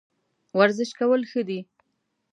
ورزش کول ښه دي